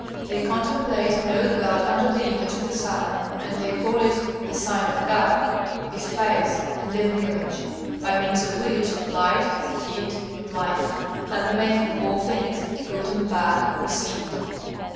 They contemplate and know God under the image of the Sun, and they call it the sign of God, His face and living image, by means of which light, heat, life, and the making of all things good and bad proceed.